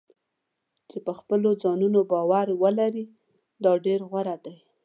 چې په خپلو ځانونو باور ولري دا ډېر غوره دی.